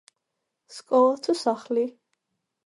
სკლოლა თუ სახლი?